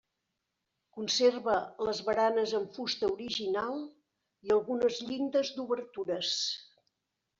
Conserva les baranes en fusta original i algunes llindes d'obertures.